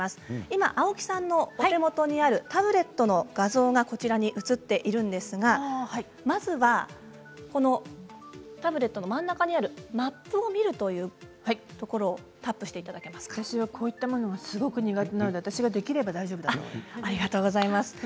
今、青木さんのお手元にあるタブレットの画像が映っているんですがまずはタブレットの真ん中にある「マップを見る」というところを私はこういったものがすごく苦手なので私ができれば大丈夫だと思います。